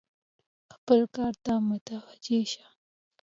خپل کار ته متوجه شه !